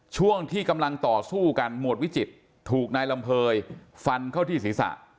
ช่วงที่กำลังต่อสู้กันหมวดวิจิตรถูกนายลำเภยฟันเข้าที่ศีรษะ